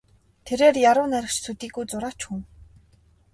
Тэрээр яруу найрагч төдийгүй зураач хүн.